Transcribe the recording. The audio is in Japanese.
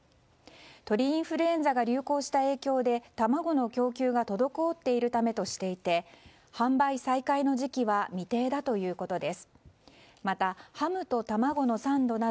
鳥インフルエンザが流行した影響で卵の供給が滞っているためとしていて販売再開の時期は未定だということです。